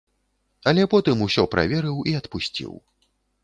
Але потым усё праверыў і адпусціў.